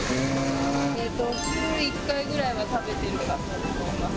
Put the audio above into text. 週１回ぐらいは食べてるかなと思います。